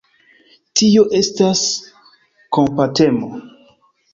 Tio estas kompatemo.